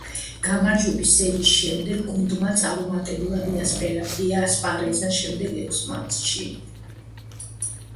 გამარჯვებების სერიის შემდეგ გუნდმა წარუმატებლად იასპარეზა შემდეგ ექვს მატჩში.